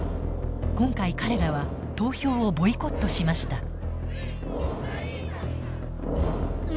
今回彼らは投票をボイコットしました。